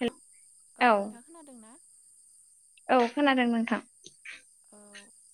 हे औ नोंथां खोनादों ना? औ खोनादों नोंथां। औ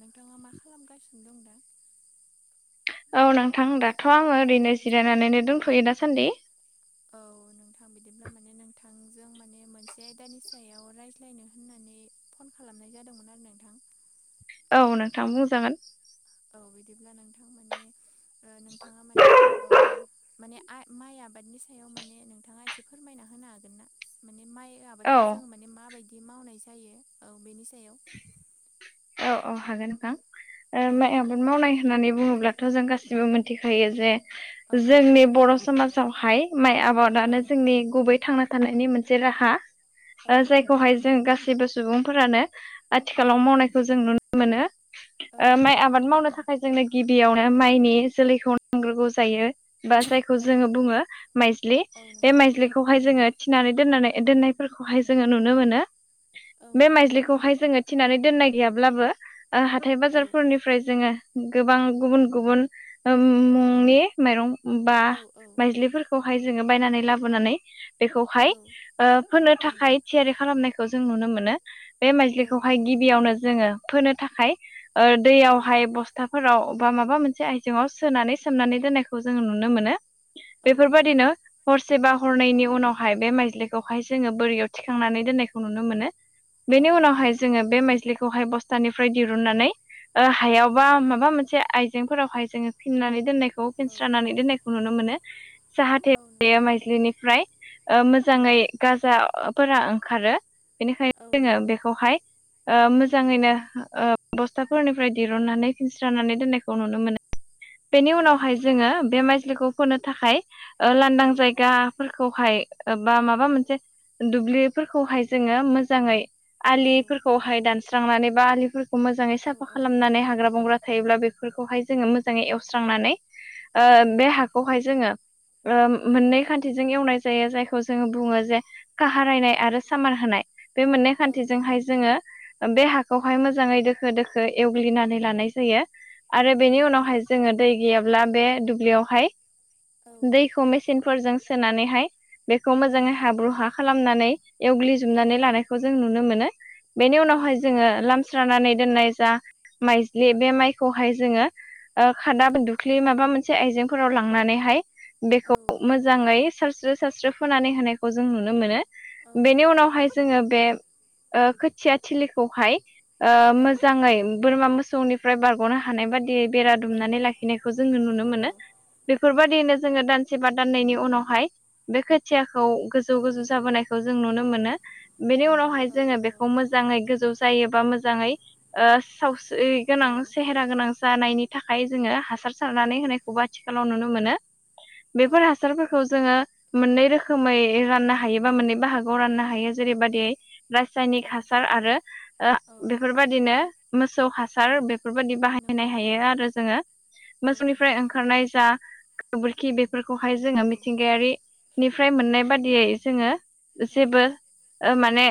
नोंथाङा मा खालामगासिनो दं दा? औ नोंथां दाथ' आङो ओरैनो जिरायनानैनो दोनथ'यो दासान्दि। औ नोंथां बिदिब्ला माने नोंथांजों माने मोनसे आयदानि सायाव राय ख्लायनो होननानै फन खालामनाय जादोंमोन आरो नोंथां औ नोंथाङा बुंजागोन। औ बिदिब्ला नोंथां माने नोंथाङा माने औ माने आइ माइ आबादनि सायाव सयाव माने नोंथाङा एसे फोरमायना होनो हागोन ना? माने माइ औ आबादखौ जों माने मा बायदि बादि मावनाय जायो औ बेनि सायाव। औ औ हागोन नोंथां औ एमे एम मावनाय होननानै बुङोब्लाथ' जों गासिबो मिथिखायो जे औ नंगौ जोंनि बर' समाज हाय माइ औ आबादानो जोंनि गुबै थांना थानायनि मोनसे राहा। औ नंगौ जायखौहाय जों गासैबो सुबुंफोरानो औ आथिखालाव मावनायखौ जों नुनो मोनो। औ नंगौ माइ नोंथां आबाद मावनो थारैनो थाखाय जोंनो गिबियावनो माइनि जोलैखौ नांग्रोगौ जायो। बा जायखौ औ जोङो नंगौ बुङो माइज्लि औ बे नंगौ माइज्लिखौहाय नंगौ जोङो फिनानै दोननानै दोननायफोरखौहाय जोङो नुनो मोनो औ बे नंगौ माइज्लिखौहाय जोङो फिनानै दोननाय गैयाब्लाबो हाथाय औ बाजारफोरनि मफ्राय जोङो गोबां गुबुन गुबुन मुंनि माइरं बा औ औ माइज्लिफोरखौहाय जोङो बायनानै लाबोनानै बेखौहाय औ फोनो नंगौ थाखाय थियारि खालामनायखौ जों नुनो मोनो। बे औ माइज्लिखौहाय नंगौ नोंथां गिबियावनो जोङो फोनो थाखाय औ दैयावहाय बस खोथाफोराव बा माबा मोनसे आइजेंआव सोनानै सोमनानै दोननायखौ जोङो नुनो मोनो। औ बेफोर नंगौ बायादिनो। नोंथां हरसेबा हरनैनायनि उनावहाय बे माइज्लिखौहाय जोङो बोरियाव थिखांनानै दोननायखौ नुनो मोनो। औ बेनि नंगौ उनावहाय जोङो बे माइजलिखौहाय बस्थानिफ्राय दिरुननानै। ओ औ हायावबा माबा मोनसे आइजेंफोरावहाय जोङो फिननानै दोननायखौ औ फिनस्रानानै दोननायखौ नुनो मोनो। औ जाहाथे नंगौ माइज्लिनिफ्राय औ मोजाङै गाजाफोरा ओंखारो। औ बेनिखायनो जोङो नंगौ बेखौहाय औ मोजाङैनो बस्थाफोरनिफ्राय दिरुननानै फिनस्रानानै दोननायखौ नुनो मोनो। बेनि औ उनावहाय नंगौ जोङो बे माइजलिखौ फोनो थाखाय ओ लांदां औ जायगा फोरखौहाय बा माबा मोनसे दुब्लिफोरखौहाय जोङो मोजाङै औ आलिफोरखौहाय दानस्रांनानै बा आलिफोरखौ मोजाङै औ साफा खालामनानै नंगौ हाग्रा बंग्रा थायोब्ला बेफोरखौहाय जोङो मोजाङै एवस्रांनानै औ बे हाखौहाय जोङो औ मोननै खान्थिजों एवनाय जायो जायखौ जोङो बुङो जे काह रायनाय आरो सामान होनाय। बे मोननै औ नंगौ खान्थिजोंहाय जोङो बे हाखौहाय मोजाङै दोखो दोखो एवग्लिनानै लानाय जायो। आरो औ बेनि नंगौ उनावहाय जोङो दै गैयाब्ला बे दुब्लियावहाय औ दैखौ मेस सिनफोरजों सोनानैहाय बेखौ औ मोजाङै नंगौ हाब्रु हा खालामनानै औ एवग्लिजोबनानै लानाय। खौ जों नुनो मोनो बेनि औ उनाव नंगौ नोंथां लामस्रानानै दोननाय जा माइज्लि बे माइखौहाय जोङो औ खादा बा दु ख्लि माबा मोनसे आइजेंफोराव लांनानैहाय औ बेखौ मोजा मोजाङै सारस्रि सारस्रि फोननानै होनायखौ जों नुनो मोनो। औ बेनि नंगौ उनावहाय थारैनो जोङो बे। खोथिया थिलिखौहाय औ मोजाङै बोरमा मोसौनि। फ्राय बारग'नो हानाय बादियै बेरा औ दुमनानै लाखिनायखौ जोङो औ नुनो नंगौ मोनो। बेफोरबायदिनो जोङो दानसे बा दाननैयनि उनावहाय बे खोथियाखौ गोजौ औ गोजौ नंगौ जाबोनाय। खौ जों नुनो मोनो बेनि उनावहाय औ जोङो बेखौ मोजाङै गोजौ जायोबा मोजाङै। सावस्रि औ गोनां सेहेरा गोनां जानायनि थाखाय जोङो हासार सारनानै होनाय। आथिखालाव नुनो मोनो बेफोर औ हासारफोरखौ जोङो। मोननै रोखोमै राननो हायो बा मोननै बाहागआव राननो हायो जेरैबादि रासायनिक। हासार आरो औ बेफोरबायदिनो मोसौ औ हासार। हासार बेफोरबायदि बाहायनो नंगौ हायो आरो जोङो औ नंगौ मोसौनिफ्राय नोंथां ओंखारनाय जा। गोबोरखि बेफोरखौहाय जोङो औ मिथिंगायारिनिफ्राय मोननाय बादियै जोङो। जेबो माने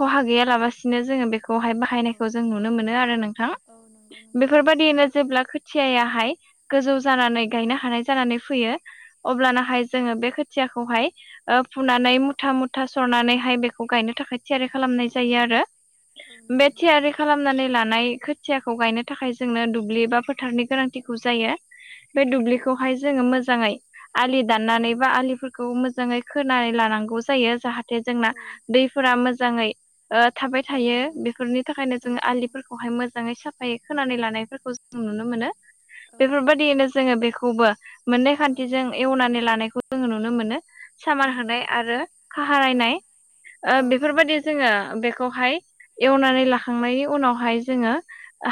खहा गैयालाबसिनो जोङो बेखौहाय बाहाय। औ बाहायनायखौ जों नुनो मोनो आरो नोंथां औ नंगौ नोंथां नंगौ बेफोरबायदियैनो जेब्ला। थियाहाय गोजौ जानानै औ गायनो हानाय जानानै फैयो औ अब्लानाहाय। जोङो बे खोथियाखौहाय औ फुनानै मुथा मु। था सरनानैहाय बेखौ गायनो थाखाय थियारि खालामनाय जायो आरो औ नंगौ बे नोंथां थियारि। खालामनानै लानाय खोथियाखौ गायनो थाखाय जोंनो दुब्लि बा फोथारनि गोनांथिखौ जायो। बे औ नंगौ दुब्लिखौहाय जोङो मोजाङै आलि औ दाननानै बा आलिफोरखौ मोजाङै। खोनानै लानांगौ जायो जाहाथे औ जोंना दैफोरा मोजाङै थाबाय औ थायो नंगौ बेफोरनि थाखायनो औ जोङो औ आलिफोरखौ खौहाय मोजाङै साफायै खोनानै लानायफोरखौ जों नुनो मोनो औ नंगौ नोंथां बेफोरबायदियैनो जोङो बेखौबो मोननै औ खान्थिजों एवनानै लानायखौ जोङो नुनो मोनो सामान नंगौ होनाय आरो खाह औ रायनाय औ औ बेफोरबायदि जोङो बेखौहाय एवनानै लाखांनायनि उनावहाय जोङो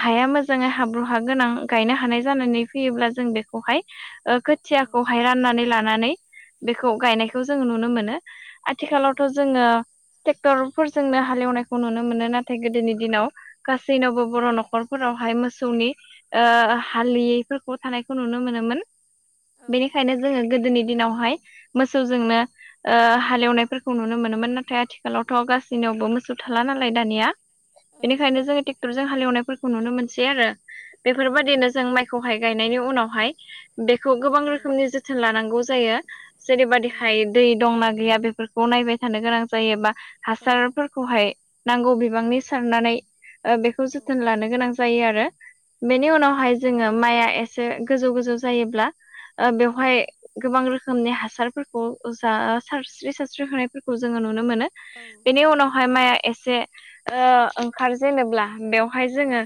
हाया मोजां जोङो हाब्रु हा गोनां गायनो हानाय जानानै फैयोब्ला जों बेखौहाय खोथियाखौहाय राननानै लानानै बेखौ गायनायखौ जोङो नुनो मोनो औ आथिखालावथ' जोङो ट्रेक्टरफोरजोंनो हालेवनायखौ नुनो मोनो नाथाय गोदोनि दिनाव गासै नाब औ बर' न न'खरफोरावहाय मोसौनि हालियैफोरखौ थानायखौ नुनो मोनोमोन बेनिखायनो जोङो गोदोनि दिनावहाय मोसौजोंनो हालेवनायफोरखौ नुनो मोनोमोन नाथाय आथिखालावथ' गासैबो जोंनियावबो मोसौ थाला नालाय दानिया बेनिखायनो जों थरजों हालेवनायफोरखौ नुनो मोनसै आरो बेफोरबायदिनो नंगौ औ जों माइखौहाय गायनायनि उनावहाय बेखौ गोबां रोखोमनि जोथोन लानांगौ जायो नंगौ जेरैबादिखाय दै दंना गैया बेफोरखौ ब नायबाय थानो गोनां जायो बा औ हासारफोरखौहाय नांगौ बिबांनि सारनानै बेखौ औ जोथोन लानो गोनां जायो आरो बेनि नंगौ उनावहाय जोङो माइया एसे गोजौ गोजौ जायोब्ला औ बेवहाय गोबां रोखोम रोखोमनि हासारफोरखौ जा सारस्रि सारस्रि होनायफोरखौ जोङो नुनो मोनो औ बेनि नंगौ उनावहाय नोंथां माइआ एसे ओंखार जेनोब्ला बेवहाय औ जोङो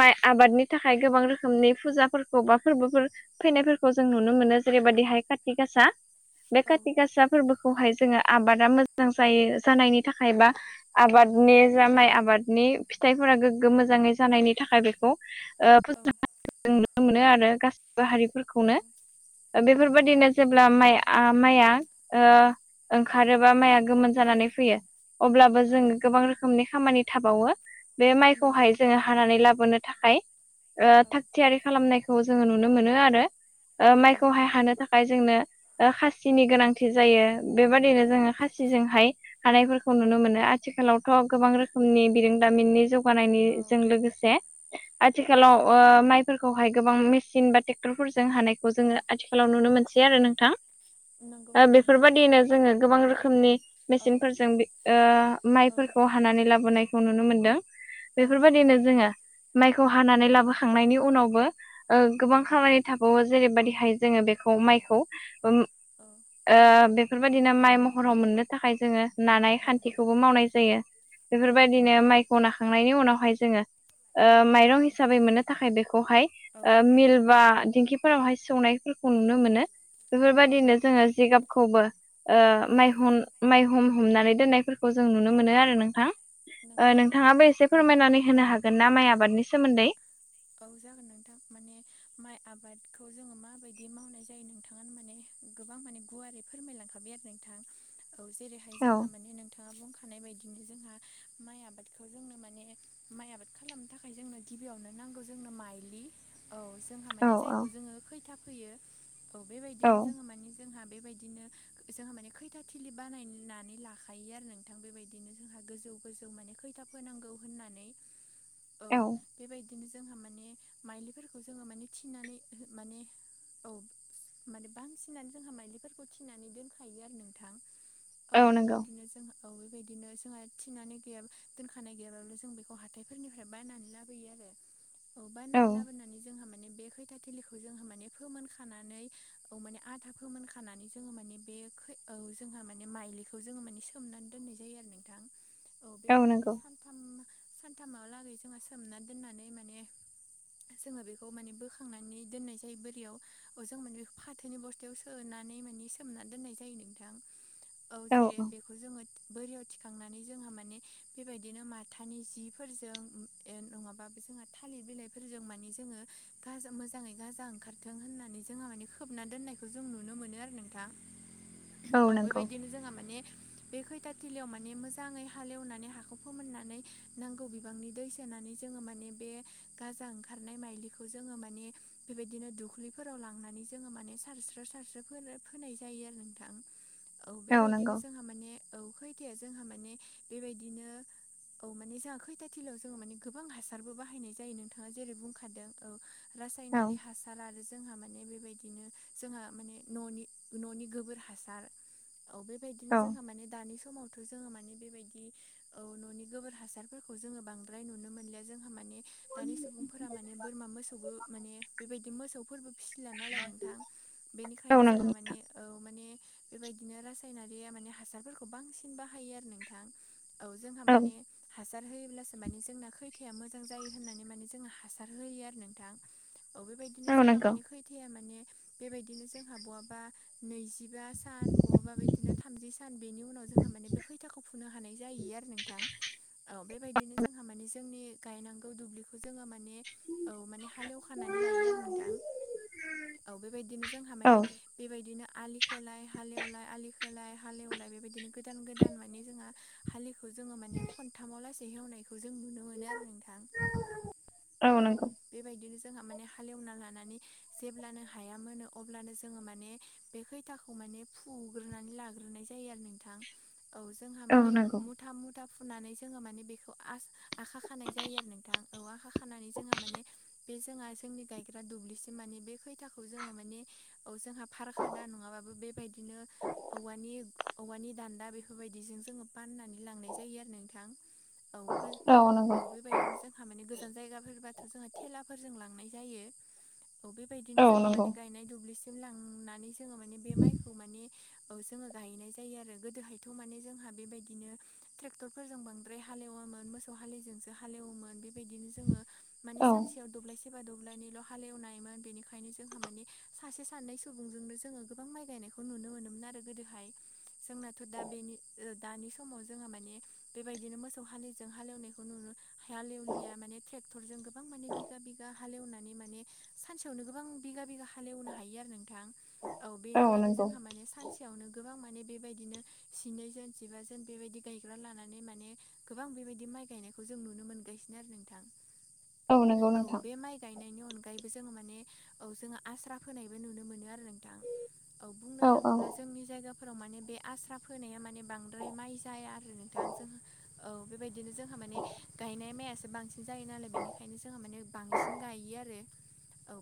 माइ आबादनि थाखाय गोबां रोखोमनि फुजाफोरखौ बा फोरबोफोर फैनायफोरखौ जों नुनो मोनो जेरैबायाददिहाय कति गासा बे औ काथि गासा फोरबोखौहाय जोङो आबादा मोजां जायो जानायनि थाखाय बा आबादनि जा माइ आबादनि फिथाइफोरा गोग्गो मोजाङै जानायनि थाखाय बेखौ औ नुनो मोनो आरो गासिबो हारिफोरखौनो बेफोरबायदिनो [inaudible] जेब्ला माइ माइया औ ओंखारोबा माइया गोमोन जानानै फैयो अब्लाबो औ जों गोबां रोखोमनि खामानि थाबावो बे नंगौ माइखौहाय जोङो हानानै लाबोनो थाखाय औ थाग थियारि खालामनायखौ जोङो नुनो मोनो आरो औ नंगौ माइखौहाय नोंथां हानो थाखाय जोंनो खासिनि औ गोनांथि जायो औ बेबायाददिनो जोङो खासि जोंहाय हानायफोरखौ नुनो मोनो आथिखालावथ' गोबां रोखोम रखनि बिरोंदामिननि औ जौगानायनिजों लोगोसे आथिखालाव माइफोरखौहाय गोबां मेसिन बा ट्रेक्टर फोरजों हानायखौ औ जोङो आथिखालाव नुनो मोनसै आरो नोंथां नंगौ नोंथां नंगौ बेफोरबायाददिनो जोङो गोबां रोखोमनि औ मेसिनफोरजों औ माइफोरखौ हानानै लाबोनायखौ नुनो मोनदों औ नंगौ बेफोरबायदिनो नोंथां जोङो माइखौ हानानै औ लाबोखांनायनि उनावबो औ गोबां खामानि थाबावो जेरैबायदिहाय जोङो बे औ माइखौ औ बेफोरबायदिनो माइ महराव मोननो थाखाय जोङो नानाय औ खेथिखौबो मावनाय जायो बेफोरबायदिनो नंगौ माइखौ नाखांनायनि उनावहाय जोङो माइरं औ हिसाबै मोननो थाखाय बेखौहाय औ मिल बा दिंखि फोरावहाय सौनायफोरखौ नुनो मोनो बेफोरबायाददिनो नंगौ जोङो जिगाबखौबो औ माइह माइहम हमनानै दोननायफोरखौ जों नुनो मोनो आरो नोंथां नंगौ नोंथां नोंथाङाबो एसे फोरमायनानै औ होनो हागोन ना माइ आबादनि सोमोन्दै औ जागोन नोंथां माने माइ आबादखौ जोङो माबायदि मावनाय जायो नोंथाङानो माने गोबां माने गुवारै फोरमायलांखाबाय आरो नोंथां औ जेरैहाय औ जोंहा माने नोंथाङा बुंख थानाय बायदिनो जोंहा माइ आबादखौ जोंनो माने माइ आबाद खालामनो थाखाय जोंनो गिबियावनो नांगौ जोंनो माइलि औ जोंहा औ माने औ जायखौ जोङो खैथा फैयो औ बेबायदिनो जोङो औ मानिे जोंहा बेबायदिनो जोंहा माने खैथा थिलि बानायनानै लाखायो आरो नोंथां बेबायदि जोंौ गो म खैा फांगौनानै औ औबाय बिदिनो जोंहा माने माइलिफोरखौ जोङो माने थिनानै माने औ। माने बांसिनानो जोंहा माइलिफोरखौ थिनानै दोनखायो आरो नोंथां। औ बेबायदिनो जोंहा औ बेबायदिनो जोंहा थिनानै गैयाब दोनखानाय गैयाब्लाो जों बेखौ हााइफोरनिफ्राय बायनानै लाबोयो आरो औ बायनानै लाबोनानै जोंहा मान बे खैथ थिलिखौ जोङो माने फोमोन खानानै औ माने आदा फोमोन खानानै जोङो माने बे औ जोंहा माने माइलिखौ जोङो माने सोमनानै दोननाय जायो आरो नोंथां। औ बेबायदिनो सानथाम सानथामहालागै जोंहा सोमना दोननानै माने जोङो बेखौ माने बोखांनानै दोननाय जायो बोरियाव अ जों माने बेखौ फाथोनि बस्थायाव सोनानै माने सोमना दोननाय जायो नोंथां औ जेरै बेखौ जोङो बोरियाव थिखांनानै जोंहा माने बेबायदिनो माथानि जिफोरजों नङाबा जोंहा थालिर बिलाइफोरजों माने जोङो गाजा मोजाङै गाजा ओंखारथों होननानै जोंहा माने खोबना दोननायखौ जों नुनो मोनो आरो नोंथाङ औ बेबायदिनो जोंहा माने बे खैथाथिलियाव माने मोजाङै हालेवनानै हाखौ फोमोननानै नांगौ बिबांनि दै सेनानै जोङो माने ग म ज मनो दफोराव लनानै ज म सो साथ्र' सारसो फ फोनाय जायो आरो नोंथां औ बेबायदिनो जोंहा माने औ खैथाया जोंहा माने बेबायदिनो औ माने जोंहा खैथा थिलाव जो मान गोनां हासार हार बाहायनाय जायो नोंथाङा जेरै बुंखादों ओ औ रासायनारि हासार हासार आरो जोंहा माने बेबायदिनो जोंहा माने न'नि न'नि गोबोर हासार औ बेबायदिनो औ जोंहा माने दानि समाव जोङो माने बेबायदि औ न'नि गोबोर ह जोङो बांद्राय नुनो मोनलिया जोंहा माने दानि सुबुंफोरा माने बोरमा मोसौबो माने बेबायदि मोसौफोरबो फिसिला नालाय नोंथां। औ बेनिखायनो जोंहा नंगौ माने औ माने बेबायदिनो रासायनारिया माने हासारफोरखौ बांसिन बाहायो आरो नोंथां। औ जोंहा मानि हासार होयोब्लासो माने जोंना खै फिथया मोजां जायो होननानै माने जोंङो हासार होयो आरो नोंथां औ बेबायदिनो औ जोंहा नंगौ माने खै थया माने बेबायदिनो जोंहा बहाबा नैजिबा सान बबाबा बिदिनो थामजि सान बेनि उनाव जोंहा माने बे खैथाखौ फुननो हानाय जायो आरो नों नोंथां बेबायदिनो जोंहा माने जोंनि गायनांगौ दुब्लिखौ जोङो माने औ माने हालेव खानानै लायो आरो नोंथां औ बेबायदिनो जोंहा औ माने बेबायदिनो आलिखौोलाय हालेवलाय आलिखौ होलाय हालेवलाय बेबायदिनो गोदान गोदान मान जों हालि जोङो माने थामाव लासे हेवनायखौ जों नुनो मोनो आरो नोंथां औ बेबायदिनो जोंहा माने हालेवना लानानै जेब्लानो हाया मोनो अब्लानो जोङो माने बे खैथाखौ माने फुग्रोनानै लाग्रोनाय जायो आरो नोंथां औ जोंहा औ माने नंगौ मुथा मुथा फुनानै जोङो माने बेखौ आ आखा खानाय जायो आरो नोंथां औ आखा खानानै जोंहा माने बे जोंहा जोंनि गायग्रा दुब्लिसिम माने बे खैथाखौ जोङो माने औ जोंहा फार खादा नङाबाबो बेबायदिनो औवानि औवानि दान्दा बेफोरबायदिजों जोङो फाननानै लांनाय जायो आरो नोंथां औ गो ? औ बेबायदिनो जोंहा माने गोजान जायगाफोरबाथ' जोंहा थेलाफोरजों लांनाय जायो औ बेबायदिनो औ जोङो माने नंगौ गायनाय दुब्लिसिम लांनानै जोङो माने बे माइखौ माने औ जोङो गायैनाय जायो आरो गोदोहायथ' माने जोंहा बेबायदिनो ट्रेक्टरफोरजों बांद्राय हालेवामोन मोसौ हालजोंसो हालेवोमोन बेबायदिनो जोङो माने औ सानसेयाव दब्लायसे बा दब्लायनैल' हालेवनायमोन बेनिखायनो जोंहा माने सासे सानै सुबुंजोंनो जोङो गोबां माइ गायनायखौ नुनो मोनोमोन आरो गोदोहाय जोंनाथ' दा बेनि दानि समाव जोङो माने बेबायदिनो मोसौ हालिजों हालेवनायखौ नुनो हालेवलिया माने ट्रेक्टरजों गोबां माने बिघा बिघा हालेवनानै माने सानसेयावनो गोबां बिघा बिघा हालेवनो हायो आरो नोंथां औ बेनिखायनो जोंहा माने सानसे सानसेयावनो गोबां माने बेबायदिनो जिनैजोन जिबाजोन बेबायदि गायग्रा लानानै माने गोबां बेबायदि माइ गायनायखौ जों नुनो मोनगासिनो आरो नोंथां नंगौ औ नोंथां बे माइ गायनायनि अनगायैबो जोङो माने औ जोङो आस्रा फोनायबो नुनो मोनो आरो नोंथां औ बुंनो थाङोब्ला जोंनि जायगाफोराव माने बे आस्रा फोनाया माने बांद्राय माइ जाया आरो नोंथां जों औ बेबायदिनो जोंहा माने गायनाय माइयासो बांसिन जायो नालाय बेनिखायनो जोंहा माने बांसिन गायो आरो औ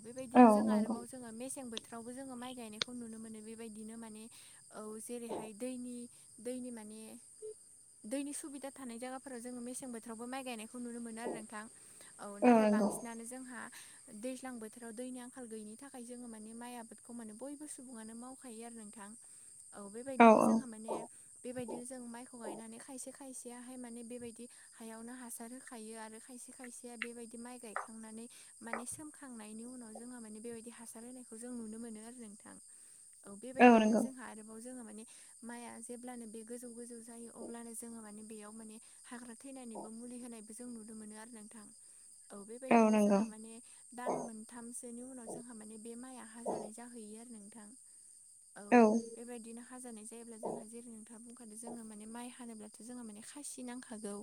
औ बेबायदिनो जों नंगौ आरोबाव जोङो मेसें बोथोरावबो जोङो माइ गायनायखौ नुनो मोनो बेबायदिनो माने औ जेरैहाय दैनि दैनि माने दैनि सुबिदा थानाय जायगा फोराव जोङो मेसें बोथोरावबो माइ गायनायखौ नुनो मोनो आरो नोंथां औ नाथाय बांसिनानो जोंहा दैज्लां बोथोराव दैनि आंखाल गैयिनि थाखाय जोङो माने माइ आबादखौ माने बयबो सुबुङानो मावो हायो आरो नोंथां औ बेबायदिनो जोंहा माने बेबायदिनो जों माइखौ गायनानै खायसे खायसेयाहाय माने बे बेबायदि हायावनो हासार होखायो आरो खायसे खायसेया बेबायदि माइ गायखांनानै माने सोमखांनायनि उनाव जोंहा माने बेबायदि हासार होनायखौ जों नुनो मोनो आरो नोंथां औ बेबायदिनो जोंहा आरोबाव जोङो माने माइआ जेब्लानो बे गोजौ गोजौ जायो अब्लानो जोङो माने बेयाव माने हाग्रा थैनायनिबो मुलि होनायबो जों नुनो मोनो आरो नोंथां औ औ बेबायदिनो नंगौ जोंहा माने दान मोनथामसोनि उनाव जोंहा माने बे माइया हाजानाय जाहैयो आरो नोंथां औ बेबायदिनो हाजानाय जायोब्ला जोंहा जेरै नोंथाङा बुंखादों जोङो माने माइ हानोब्लाथ' जोंहा माने खासि नांखागौ